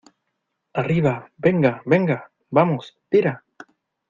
¡ arriba, venga , venga! ¡ vamos , tira !